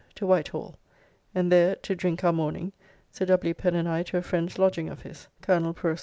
To Whitehall, and there, to drink our morning, Sir W. Pen and I to a friend's lodging of his (Col. Pr.